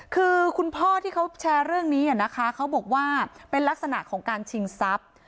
คือคุณพ่อที่เขาแชร์เรื่องนี้นะคะเขาบอกว่าเป็นลักษณะของการชิงทรัพย์